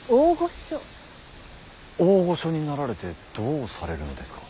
大御所になられてどうされるのですか。